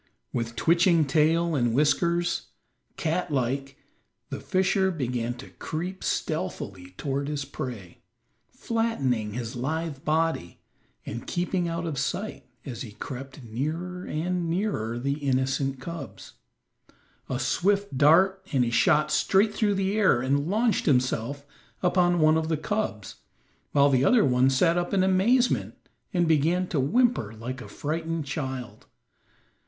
With twitching tail and whiskers, cat like, the fisher began to creep stealthily toward his prey, flattening his lithe body and keeping out of sight as he crept nearer and nearer the innocent cubs. A swift dart, and he shot straight through the air and launched himself upon one of the cubs, while the other one sat up in amazement and began to whimper like a frightened child.